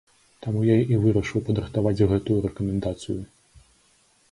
Таму я і вырашыў падрыхтаваць гэтую рэкамендацыю.